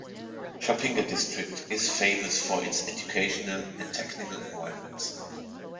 Shapingba District is famous for its educational and technical environments.